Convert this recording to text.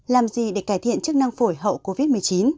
làm gì để cải thiện chức năng phổi hậu covid một mươi chín